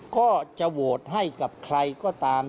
ก็จะโหวตให้กับใครก็ตาม